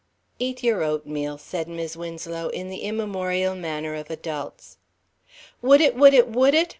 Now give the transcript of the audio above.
"Eat your oatmeal," said Mis' Winslow, in the immemorial manner of adults. "Would it, would it, would it?"